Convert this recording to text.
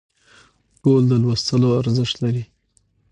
ټول د لوستلو ارزښت لري